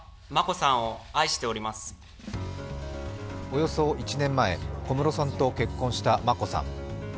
およそ１年前、小室さんと結婚した眞子さん。